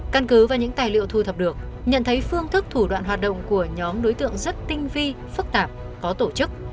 căn cứ và những tài liệu thu thập được nhận thấy phương thức thủ đoạn hoạt động của nhóm đối tượng rất tinh vi phức tạp có tổ chức